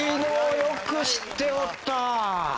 よく知っておった。